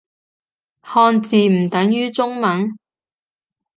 漢字唔等於中文